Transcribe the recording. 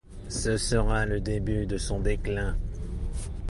Ce sera le début de son déclin.